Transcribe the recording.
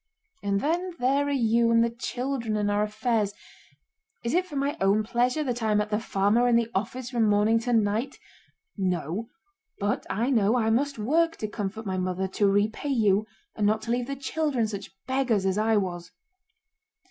And then there are you and the children and our affairs. Is it for my own pleasure that I am at the farm or in the office from morning to night? No, but I know I must work to comfort my mother, to repay you, and not to leave the children such beggars as I was."